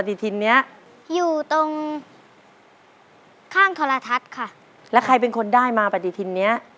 ติทินเนี้ยอยู่ตรงข้างโทรทัศน์ค่ะแล้วใครเป็นคนได้มาปฏิทินเนี้ย